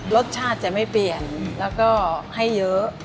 รสชาติจะไม่เปลี่ยนแล้วก็ให้เยอะ